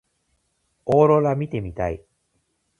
オーロラ見てみたい。